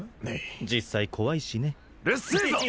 実際怖いしねうるせえぞ！